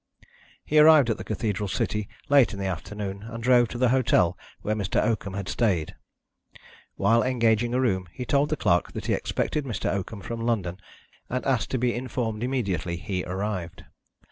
He arrived at the cathedral city late in the afternoon, and drove to the hotel where Mr. Oakham had stayed. While engaging a room, he told the clerk that he expected Mr. Oakham from London, and asked to be informed immediately he arrived.